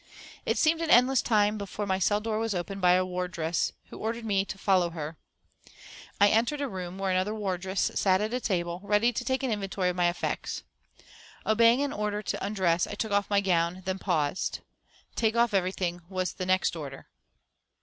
It seemed an endless time before my cell door was opened by a wardress, who ordered me to follow her. I entered a room where another wardress sat at a table, ready to take an inventory of my effects. Obeying an order to undress, I took off my gown, then paused. "Take off everything," was the next order.